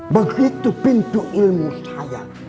begitu pintu ilmu saya